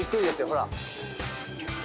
ほら